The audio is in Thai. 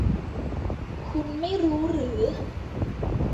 คุณไม่รู้หรือ